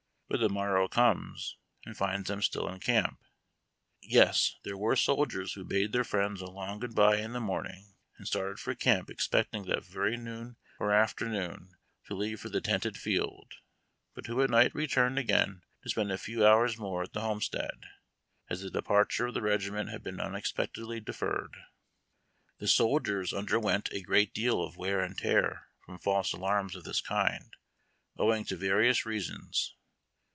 But the morrow comes, and finds them still in camp. Yes, there were soldiers who bade their friends a long good by in the morning, and started for camp expecting that very noon or afternoon to leave for the tented field, but who at night returned again to spend a few hours more at the homestead, as the de parture of the regiment had been unexpectedly deferred. The soldiers underwent a great deal of wear and tear from false alarms of this kind, owing to various reasons.